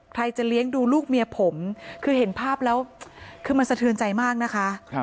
ใครจะเลี้ยงดูลูกเมียผมคือเห็นภาพแล้วคือมันสะเทือนใจมากนะคะ